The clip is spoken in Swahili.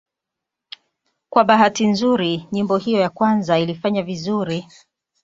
Kwa bahati nzuri nyimbo hiyo ya kwanza ilifanya vizuri.